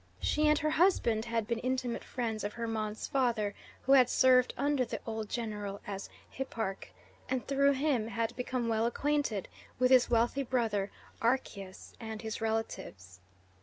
She and her husband had been intimate friends of Hermon's father, who had served under the old general as hipparch, and through him had become well acquainted with his wealthy brother Archias and his relatives.